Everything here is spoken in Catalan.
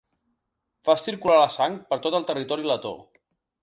Fa circular la sang per tot el territori letó.